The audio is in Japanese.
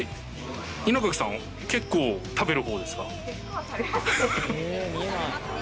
稲垣さん、結構食べるほうで結構食べますね。